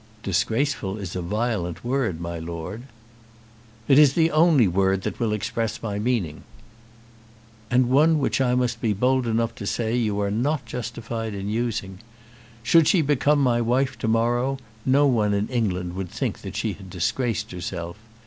"Disgraceful is a violent word, my Lord." "It is the only word that will express my meaning." "And one which I must be bold enough to say you are not justified in using. Should she become my wife to morrow, no one in England would think she had disgraced herself.